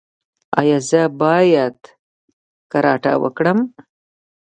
ایا زه باید کراټه وکړم؟